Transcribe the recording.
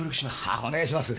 ああお願いします。